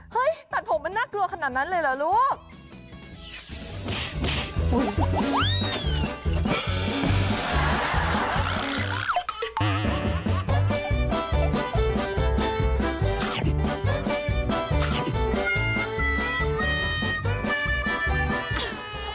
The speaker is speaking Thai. ตัดผมมันน่ากลัวขนาดนั้นเลยเหรอลูก